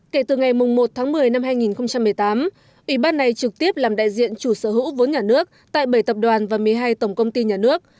kể từ ngày một tháng một mươi năm hai nghìn một mươi tám ủy ban này trực tiếp làm đại diện chủ sở hữu vốn nhà nước tại bảy tập đoàn và một mươi hai tổng công ty nhà nước